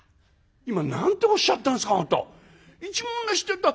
「今何ておっしゃったんですかあんた。